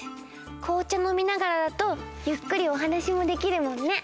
こうちゃのみながらだとゆっくりおはなしもできるもんね。